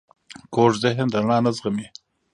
کوږ ذهن رڼا نه زغمي